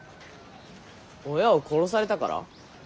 親を殺されたから？